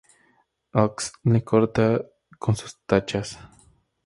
Axl: Te corta con sus hachas.